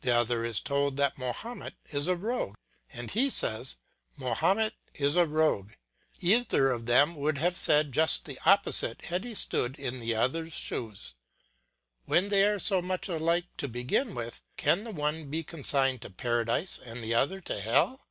The other is told that Mahomet is a rogue and he says, "Mahomet is a rogue." Either of them would have said just the opposite had he stood in the other's shoes. When they are so much alike to begin with, can the one be consigned to Paradise and the other to Hell?